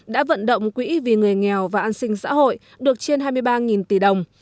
đã vận động quỹ vì người nghèo và an sinh xã hội được trên hai mươi ba tỷ đồng